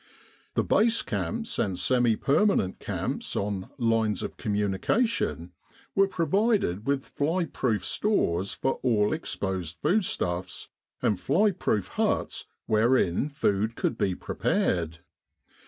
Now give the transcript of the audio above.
The base camps and semi permanent camps on Lines of Com munication were provided with fly proof stores for all exposed foodstuffs, and fly proof huts wherein 167 With the R.A.M.C. in Egypt food could be prepared.